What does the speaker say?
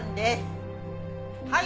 はい。